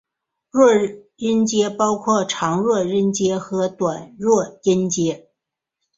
弱音节包括长弱音节和短弱音节。